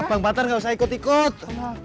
bang batar enggak usah ikut ikut